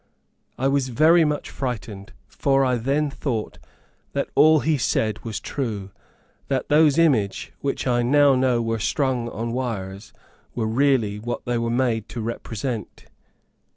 I was very much frightened, for I then thought that all he said was true; that those images, which I now know were strung on wires were really what they were made to represent.